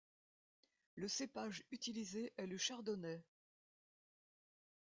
Le cépage utilisé est le chardonnay.